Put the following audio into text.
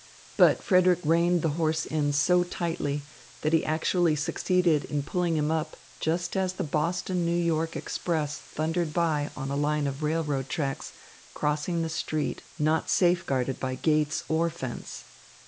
But Frederick reined the horse in so tightly, that he actually succeeded in pulling him up just as the Boston New York express thundered by on a line of railroad tracks crossing the street not safeguarded by gates or fence.